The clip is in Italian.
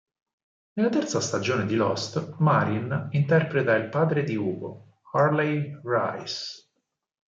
Nella terza stagione di "Lost", Marin interpreta il padre di Hugo "Hurley" Reyes.